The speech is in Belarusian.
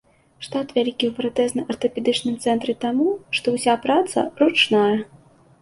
Штат вялікі ў пратэзна-артапедычным цэнтры таму, што ўся праца ручная.